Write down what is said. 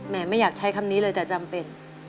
ไม่อยากใช้คำนี้เลยแต่จำเป็น